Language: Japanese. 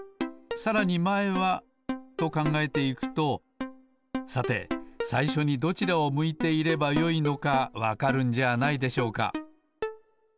さらにまえはとかんがえていくとさてさいしょにどちらを向いていればよいのかわかるんじゃないでしょうか。